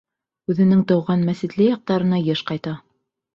Үҙенең тыуған Мәсетле яҡтарына йыш ҡайта.